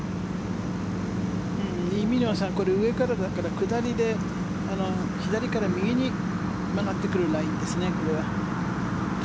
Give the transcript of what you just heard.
イ・ミニョンこれ上からだから、下りで左から右に曲がってくるラインですね、これは。